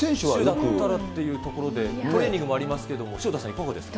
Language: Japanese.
だったらっていうところで、トレーニングもありますが、潮田さん、いかがですか？